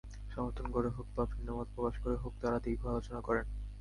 সমর্থন করে হোক বা ভিন্নমত প্রকাশ করে হোক তাঁরা দীর্ঘ আলোচনা করেন।